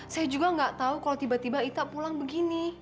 saya juga nggak tahu kalau tiba tiba ita pulang begini